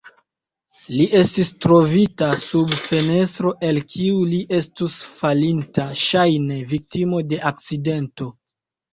Li estis trovita sub fenestro el kiu li estus falinta, ŝajne viktimo de akcidento.